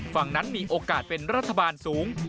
ฝั่งนั้นมีโอกาสเป็นรัฐบาลสูง